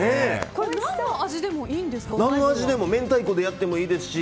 何の味でもいいんですか？